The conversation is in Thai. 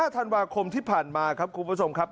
๑๕ธันวาคมที่ผ่านมาครับคุณประสงค์ครับ